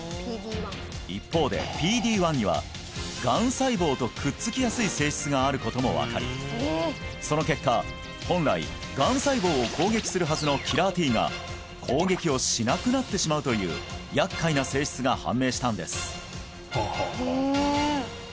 一方でＰＤ−１にはがん細胞とくっつきやすい性質があることも分かりその結果本来がん細胞を攻撃するはずのキラーＴが攻撃をしなくなってしまうという厄介な性質が判明したんですはあはあはあえ